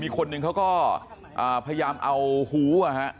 คนหนึ่งเขาก็พยายามเอาหู